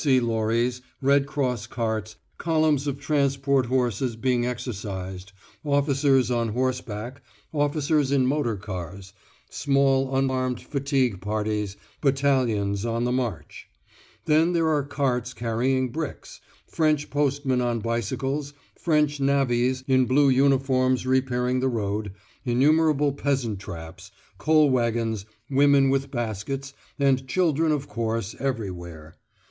S.C. lorries, Red Cross carts, columns of transport horses being exercised, officers on horse back, officers in motor cars, small unarmed fatigue parties, battalions on the march; then there are carts carrying bricks, French postmen on bicycles, French navvies in blue uniforms repairing the road, innumerable peasant traps, coal waggons, women with baskets, and children of course everywhere.